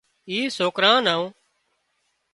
اِي سوڪرا نو